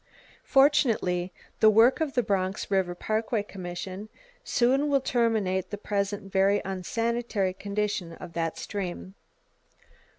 Fortunately the work of the Bronx River Parkway Commission soon will terminate the present very unsanitary condition of that stream.